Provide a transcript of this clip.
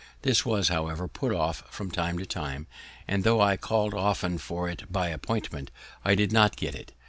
This was, however, put off from time to time; and tho' I call'd often for it by appointment, I did not get it.